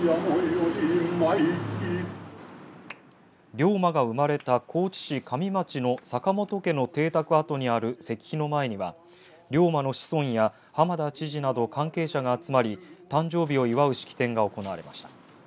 龍馬が生まれた高知市上町の坂本家の邸宅跡にある石碑の前には龍馬の子孫や浜田知事など関係者が集まり誕生日を祝う式典が行われました。